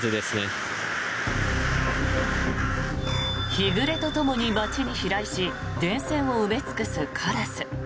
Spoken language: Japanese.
日暮れとともに街に飛来し電線を埋め尽くすカラス。